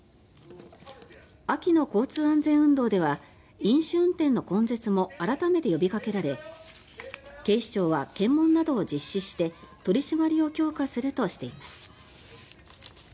秋の交通安全運動では飲酒運転の根絶も改めて呼びかけられ警視庁は検問などを実施して取り締まりを強化するとしています。